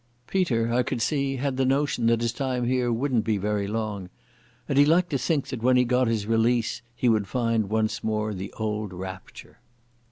Peter, I could see, had the notion that his time here wouldn't be very long, and he liked to think that when he got his release he would find once more the old rapture.